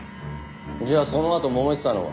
じゃあそのあともめてたのは？